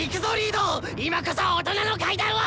今こそ大人の階段を！